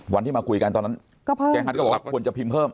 วันที่มาคุยกันตอนนั้นเจ๊ฮัทก็บอกว่าควรจะพิมพ์เพิ่ม